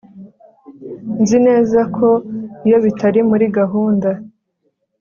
Nzi neza ko ibyo bitari muri gahunda